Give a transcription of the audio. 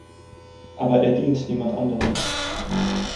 Aber er dient niemand anderem.